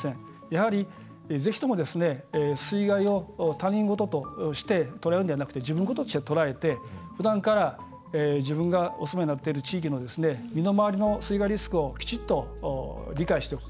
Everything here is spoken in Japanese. やはり、ぜひとも水害を他人事として捉えるのではなくて自分ごととして捉えてふだんから自分がお住まいになっている身の回りの地域の水害リスクをきちっと理解する。